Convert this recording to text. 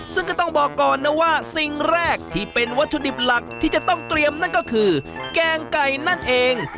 ซึ่งก็ต้องบอกก่อนนะว่าสิ่งแรกที่เป็นวัตถุดิบหลักที่จะต้องเตรียมนั่นก็คือแกงไก่นั่นเอง